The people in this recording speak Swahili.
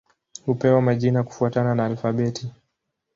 Hupewa majina kufuatana na alfabeti.